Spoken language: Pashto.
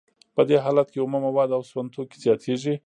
په دې حالت کې اومه مواد او سون توکي زیاتېږي